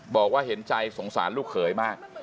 บอกว่าเห็นใจสงสารลูกเขยมาก